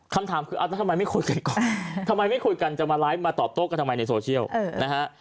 คำถามคือเอาแล้วทำไมไม่คุยกันก่อนทำไมไม่คุยกันจะมาไลฟ์มาตอบโต้กันทำไมในโซเชียลนะฮะ